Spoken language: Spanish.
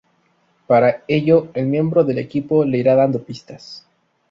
Para ello, el miembro del equipo le irá dando pistas.